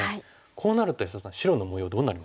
こうなると安田さん白の模様どうなりました？